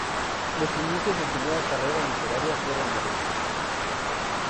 Los inicios en su nueva carrera literaria fueron modestos.